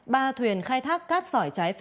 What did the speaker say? bà thuyền khai thác cát sỏi trái phép